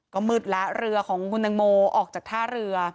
ก็มืดแล้วเรือของคุณตังโมออกจากท่าเรือ